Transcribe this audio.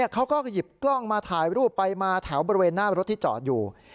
เขาก็หยิบกล้องมาถ่ายรูปไปมาแถวบริเวณหน้ารถที่จอดอยู่